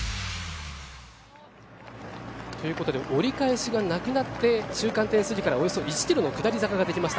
折り返しがなくなって中間点過ぎからおよそ１キロの下り坂ができました。